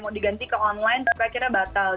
mau diganti ke online tapi akhirnya batal